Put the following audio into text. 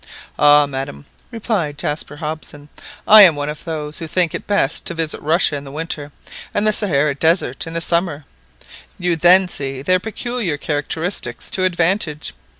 "Ah, madam," replied Jaspar Hobson, "I am one of those who think it best to visit Russia in the winter, and the Sahara Desert in the summer. You then see their peculiar characteristics to advantage.